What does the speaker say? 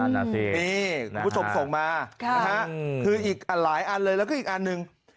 นั่นล่ะสิคุณผู้ชมฟ้องมาคืออีกหลายอันเลยแล้วก็อีกอันนึง